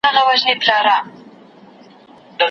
تر بدو ښه وي چي کړی نه کار